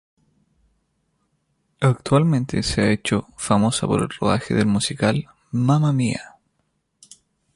Actualmente se ha hecho famosa por el rodaje del musical "Mamma Mia!